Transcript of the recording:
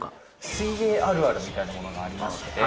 水泳あるあるみたいなものがありまして。